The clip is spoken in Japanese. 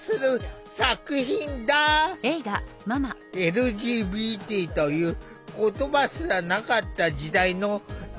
ＬＧＢＴという言葉すらなかった時代の大先輩。